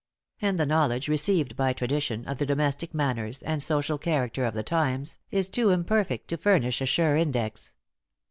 And the knowledge received by tradition, of the domestic manners, and social character of the times, is too imperfect to furnish a sure index.